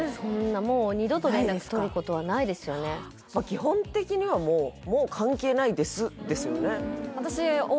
基本的には「もう関係ないです」ですよね